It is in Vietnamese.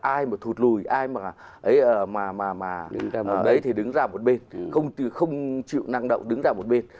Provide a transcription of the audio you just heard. ai mà thụt lùi ai mà đứng ra một bên không chịu năng động đứng ra một bên